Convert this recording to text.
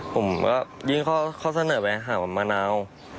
ผมก็ยิ่งเขาเสนอไปหามานาว